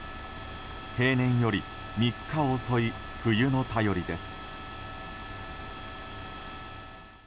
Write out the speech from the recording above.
平年より３日遅い冬の便りです。